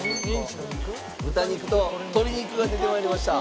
豚肉と鶏肉が出て参りました。